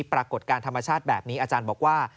ปรากฏการณ์ธรรมชาติแบบนี้อาจารย์บอกว่า